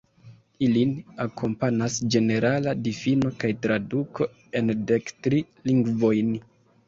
Ilin akompanas ĝenerala difino kaj traduko en dek tri lingvojn.